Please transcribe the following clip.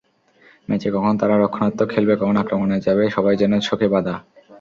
ম্যাচে কখন তারা রক্ষণাত্মক খেলবে, কখন আক্রমণে যাবে, সবই যেন ছকে বাঁধা।